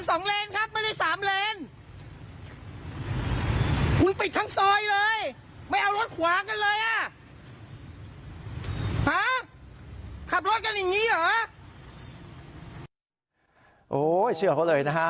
โอ้โหเชื่อเขาเลยนะฮะ